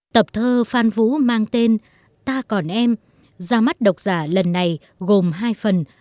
tập thơ phan vũ mang tên ta còn em ra mắt độc giả lần này gồm hai phần